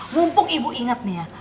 mumpung ibu ingat nih ya